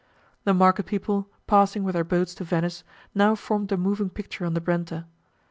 The market people, passing with their boats to Venice, now formed a moving picture on the Brenta.